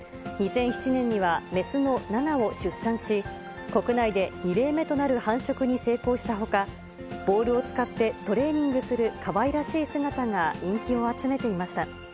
２００７年には雌のナナを出産し、国内で２例目となる繁殖に成功したほか、ボールを使ってトレーニングするかわいらしい姿が人気を集めていました。